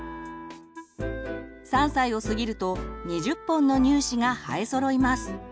３歳を過ぎると２０本の乳歯が生えそろいます。